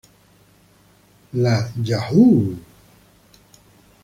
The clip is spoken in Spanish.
La "Yahoo!